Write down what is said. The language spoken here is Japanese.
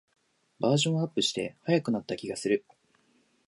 バージョンアップして速くなった気がする